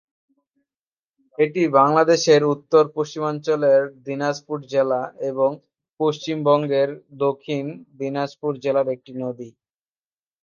এটি বাংলাদেশের উত্তর-পশ্চিমাঞ্চলের দিনাজপুর জেলা এবং পশ্চিমবঙ্গের দক্ষিণ দিনাজপুর জেলার একটি নদী।